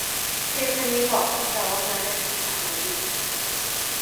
ทิฟฟานี่บอกพวกเราว่าม้านั่งทำจากไม้บีช